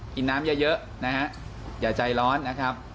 กินน้ำเยอะนะฮะอย่าใจร้อนนะครับ